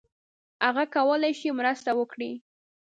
هغه کولای شي مرسته وکړي.